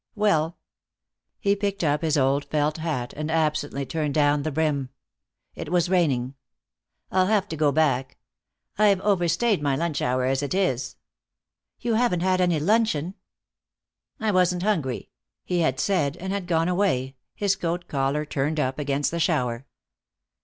Well " He picked up his old felt hat and absently turned down the brim; it was raining. "I'll have to get back. I've overstayed my lunch hour as it is." "You haven't had any luncheon?" "I wasn't hungry," he had said, and had gone away, his coat collar turned up against the shower.